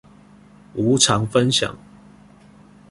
無償分享